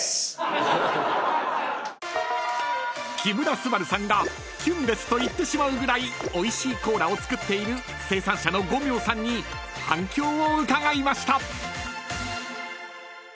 ［木村昴さんが「キュンです」と言ってしまうぐらいおいしいコーラを作っている生産者の五明さんに反響を伺いました］